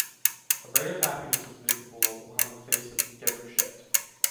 A ray of happiness was visible upon the face of Déruchette.